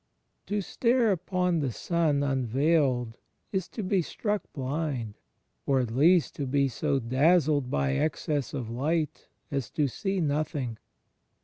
To stare upon the Sun unveiled is to be struck blind, or at least to be so dazzled by excess of light as to see nothing.